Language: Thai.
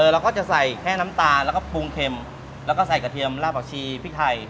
เราก็จะใส่แค่น้ำตาลแล้วก็ปรุงเข็มแล้วก็ใส่กระเทียมลาบผักชีพริกไทย